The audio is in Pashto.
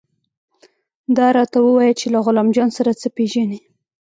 دا راته ووايه چې له غلام جان سره څه پېژنې.